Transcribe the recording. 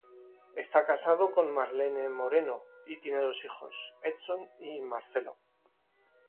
Esta casado con Marlene Moreno y tiene dos hijos: Edson y Marcelo.